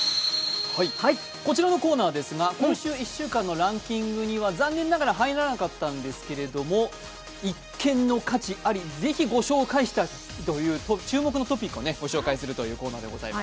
こちらのコーナーですが今週１週間のランキングには残念ながら入らなかったんですけれども、一見の価値あり、ぜひご紹介したいという注目のトピックをご紹介するというコーナーです。